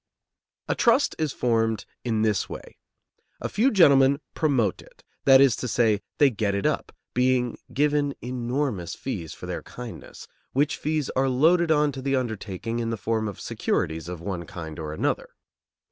A trust is formed in this way: a few gentlemen "promote" it that is to say, they get it up, being given enormous fees for their kindness, which fees are loaded on to the undertaking in the form of securities of one kind or another.